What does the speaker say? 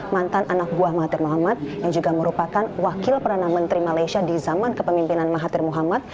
mantan anak buah mahathir muhammad yang juga merupakan wakil perdana menteri malaysia di zaman kepemimpinan mahathir muhammad